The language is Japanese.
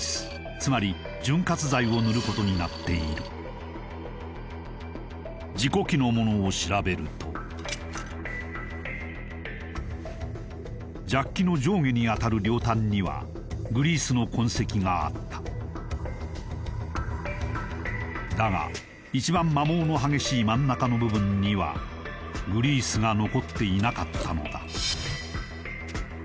つまり潤滑剤を塗ることになっている事故機のものを調べるとがあっただが一番摩耗の激しい真ん中の部分にはグリースが残っていなかったのだ